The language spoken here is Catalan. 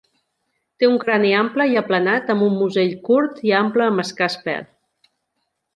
Té un crani ample i aplanat amb un musell curt i ample amb escàs pèl.